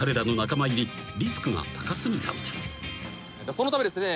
そのためですね